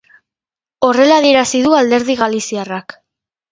Horrela adierazi du alderdi galiziarrak.